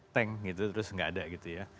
tank gitu terus nggak ada gitu ya